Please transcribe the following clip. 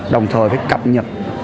đồng thời phải cập nhật